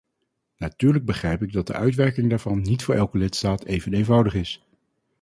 Natuurlijk begrijp ik dat de uitwerking daarvan niet voor elke lidstaat even eenvoudig is.